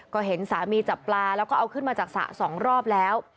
ก็เห็นสามีจับปลาแล้วก็เอาขึ้นมาจากสระ๒รอบแล้ว